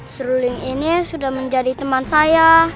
seruling ini sudah menjadi teman saya